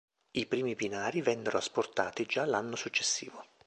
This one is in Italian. I primi binari vennero asportati già l'anno successivo.